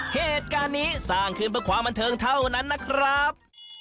เหตุการณ์นี้สร้างขึ้นเพื่อความบันเทิงเท่านั้นนะครับ